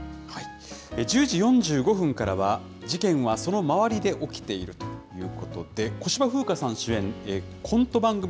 １０時４５分からは、事件は、その周りで起きているということで、小芝風花さん主演、コント番組、ＬＩＦＥ！